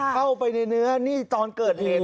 เข้าไปในเนื้อนี่ตอนเกิดเหตุ